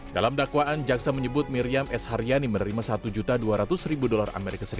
dalam dakwaan jaksa menyebut miriam s haryani menerima satu dua ratus dolar as